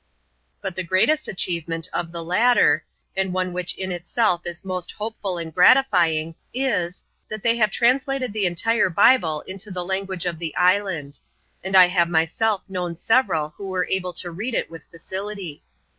But the greatest achievement of the latter, and one which iu itself is most hopeful and gratifying, is, that they have translated the entire Bible into the language of the island ; and I have myself known several who were able to read it with facility.